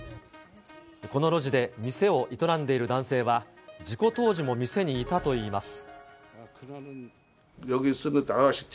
この路地で店を営んでいる男性は、事故当時も店にいたといいます。